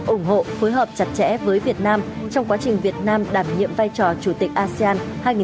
ủng hộ phối hợp chặt chẽ với việt nam trong quá trình việt nam đảm nhiệm vai trò chủ tịch asean hai nghìn hai mươi